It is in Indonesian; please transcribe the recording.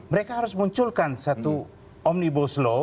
mereka harus munculkan satu omnibus law